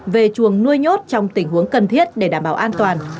về chuồng nuôi nhốt trong tình huống cần thiết để đảm bảo an toàn